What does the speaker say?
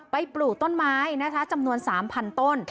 ไปปลูกต้นไม้จำนวน๓๐๐๐ต้น